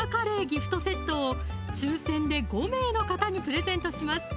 ギフトセットを抽選で５名の方にプレゼントします